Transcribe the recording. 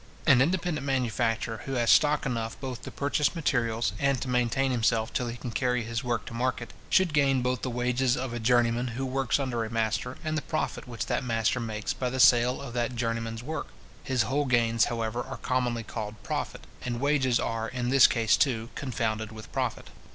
An independent manufacturer, who has stock enough both to purchase materials, and to maintain himself till he can carry his work to market, should gain both the wages of a journeyman who works under a master, and the profit which that master makes by the sale of that journeyman's work. His whole gains, however, are commonly called profit, and wages are, in this case, too, confounded with profit.